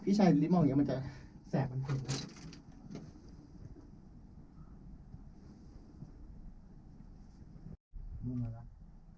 พี่ชายลิฟต์มองอย่างงี้มันจะแสบมันเผ็ดเลย